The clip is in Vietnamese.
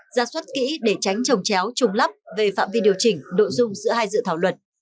ra suất kỹ để tránh trồng chéo trùng lắp về phạm vi điều chỉnh nội dung giữa hai dự thảo luật